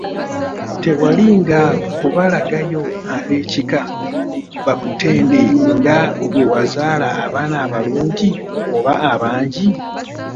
Tekwalinga kubalagayo ab'ekika bakutende nga bwe wazaala abaana abalungi oba abangi